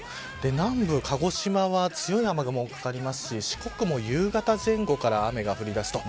南部、鹿児島は強い雨雲がかかりますし四国も夕方前後から雨が降り出すと。